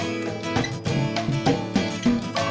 belum ada kabar